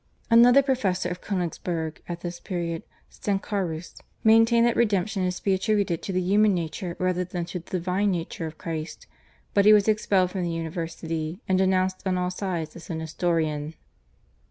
Another professor of Konigsberg at this period, Stancarus, maintained that Redemption is to be attributed to the human nature rather than to the divine nature of Christ, but he was expelled from the university, and denounced on all sides as a Nestorian.